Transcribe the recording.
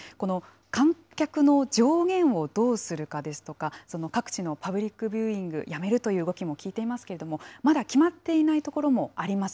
観客の上限をどうするかですとか、各地のパブリックビューイング、やめるという動きも聞いていますけれども、まだ決まっていないところもあります。